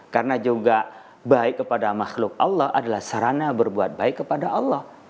karena juga baik kepada makhluk allah adalah sarana berbuat baik kepada allah